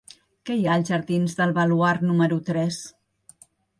Què hi ha als jardins del Baluard número tres?